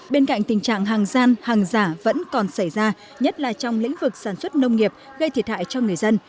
bên cạnh tình trạng hàng gian hàng giả vẫn còn xảy ra nhất là trong lĩnh vực sản xuất nông nghiệp gây thiệt hại cho người dân